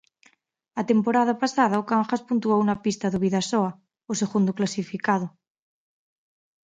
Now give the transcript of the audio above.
A temporada pasada o Cangas puntuou na pista do Bidasoa, o segundo clasificado.